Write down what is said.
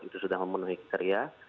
itu sudah memenuhi keteria